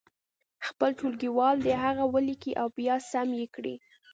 خپل ټولګیوال دې هغه ولیکي او بیا سم یې کړي.